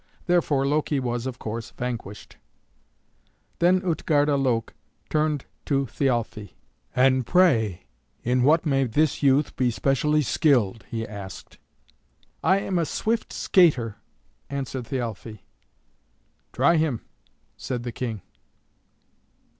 Therefore Loki, was, of course, vanquished. Then Utgarda Loke turned to Thialfe. "And pray, in what may this youth be specially skilled?" he asked. "I am a swift skater," answered Thialfe. "Try him," said the King.